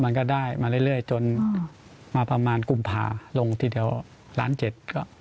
มันก็ได้มาเรื่อยจนมาประมาณกุมภาลงทีเดียวล้านเจ็ดก็